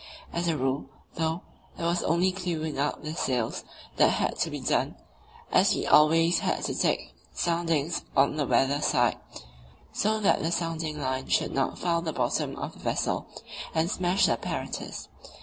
As a rule, though, it was only clewing up the sails that had to be done, as we always had to take soundings on the weather side, so that the sounding line should not foul the bottom of the vessel and smash the apparatus.